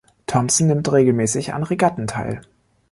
Thomson nimmt regelmäßig an Regatten teil.